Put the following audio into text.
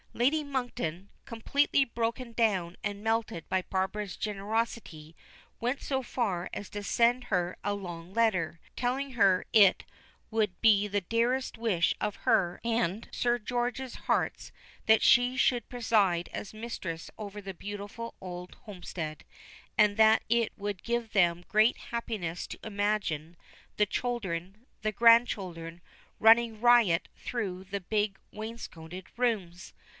Lady Monkton, completely, broken down and melted by Barbara's generosity, went so far as to send her a long letter, telling her it would be the dearest wish of her and Sir George's hearts that she should preside as mistress over the beautiful old homestead, and that it would give them great happiness to imagine, the children the grandchildren running riot through the big wainscoted rooms.